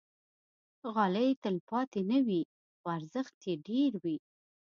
غالۍ تل تلپاتې نه وي، خو ارزښت یې ډېر وي.